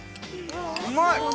◆うまい！